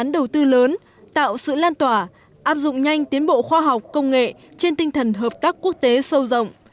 đây là những phương tiến bộ khoa học công nghệ trên tinh thần hợp tác quốc tế sâu rộng